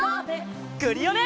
クリオネ！